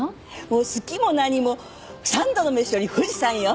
もう好きも何も三度の飯より富士山よ。